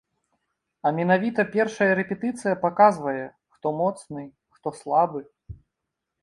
А менавіта першая рэпетыцыя паказвае, хто моцны, хто слабы.